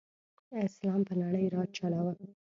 اسلام په نړۍ راج چلاؤ.